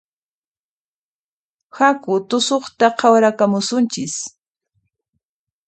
Haku tusuqta qhawarakamusunchis